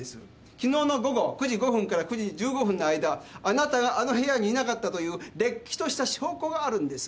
きのうの午後９時５分から９時１５分の間あなたがあの部屋にいなかったというれっきとした証拠があるんです。